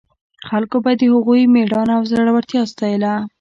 خلکو به د هغوی مېړانه او زړورتیا ستایله.